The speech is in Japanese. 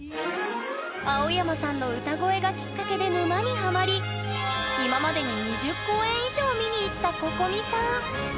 青山さんの歌声がきっかけで沼にハマり今までに２０公演以上見に行ったここみさん。